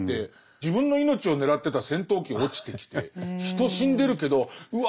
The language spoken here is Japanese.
自分の命を狙ってた戦闘機が落ちてきて人死んでるけどうわ